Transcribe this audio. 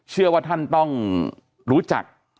เชื่อว่าท่านต้องรู้จัก